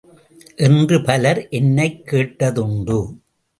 என்று பலர் என்னைக் கேட்டதுண்டு.